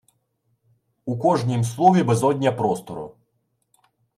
У кожнім слові безодня простору.